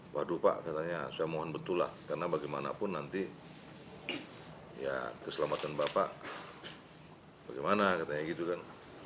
waduh pak katanya saya mohon betul lah karena bagaimanapun nanti ya keselamatan bapak bagaimana katanya gitu kan